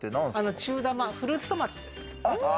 中玉、フルーツトマトです。